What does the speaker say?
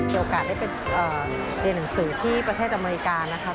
มีโอกาสได้ไปเรียนหนังสือที่ประเทศอเมริกานะคะ